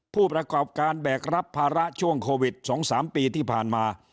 ผู้ประกอบการแบกรับภาระช่วงโควิด๒๓ปีที่ผ่านมา